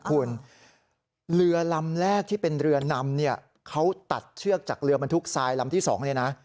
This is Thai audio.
คุณเรือลำแรกที่เป็นเรือนำเนี่ยเขาตัดเชือกจากเรือบรรทุกทรายลำที่๒เนี่ยนะ